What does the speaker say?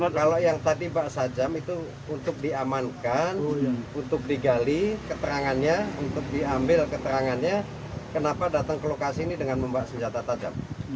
kalau yang tadi pak sajam itu untuk diamankan untuk digali keterangannya untuk diambil keterangannya kenapa datang ke lokasi ini dengan membawa senjata tajam